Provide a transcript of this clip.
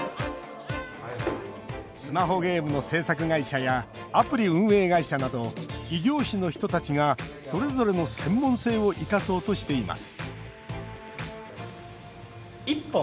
スマホゲームの制作会社やアプリ運営会社など異業種の人たちがそれぞれの専門性を生かそうとしています